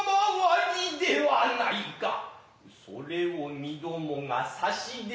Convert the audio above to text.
それを身共が差し出